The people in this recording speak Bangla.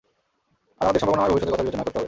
আর আমাদের সম্ভাবনাময় ভবিষ্যতের কথা বিবেচনা করতে হবে।